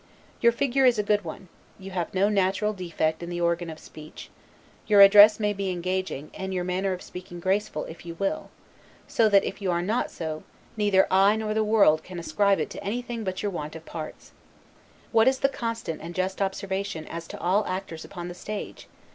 Your figure is a good one; you have no natural defect in the organs of speech; your address may be engaging, and your manner of speaking graceful, if you will; so that if you are not so, neither I nor the world can ascribe it to anything but your want of parts. What is the constant and just observation as to all actors upon the stage?